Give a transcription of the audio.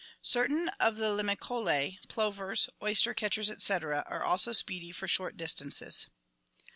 Certain of the Limicolae, plovers, oyster catchers, etc., are also speedy for short distances.